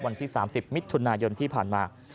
วันที่๓๐มิถุนายนที่ผ่านมา